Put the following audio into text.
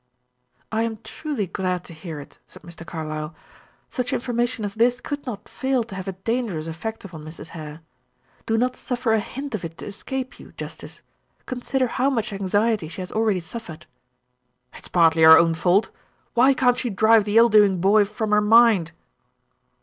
"I am truly glad to hear it," said Mr. Carlyle. "Such information as this could not fail to have a dangerous effect upon Mrs. Hare. Do not suffer a hint of it to escape you justice; consider how much anxiety she has already suffered." "It's partly her own fault. Why can't she drive the ill doing boy from her mind?"